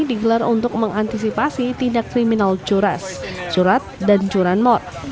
digelar untuk mengantisipasi tindak kriminal curas surat dan curanmor